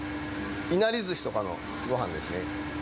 いなりずしとかのごはんですね。